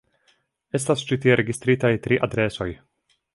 Estas ĉi tie registritaj tri adresoj.